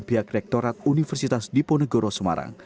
pihak rektorat universitas diponegoro semarang